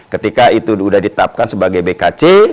ketika itu udah ditapkan sebagai bkc